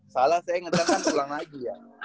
salah saya ngedang kan ulang lagi ya